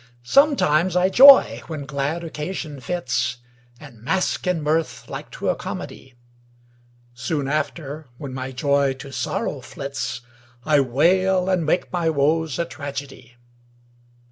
Sometimes I joy when glad occasion fits, And mask in mirth like to a comedy: Soon after when my joy to sorrow flits, I wail and make my woes a tragedy.